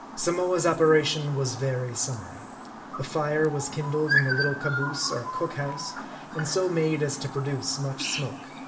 Samoa's operation was very summary. A fire was kindled in the little caboose, or cook house, and so made as to produce much smoke.